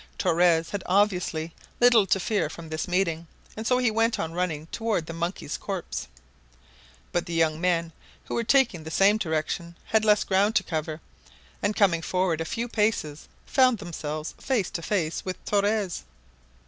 Torres had obviously little to fear from this meeting, and so he went on running toward the monkey's corpse. But the young men, who were taking the same direction, had less ground to cover, and coming forward a few paces, found themselves face to face with Torres.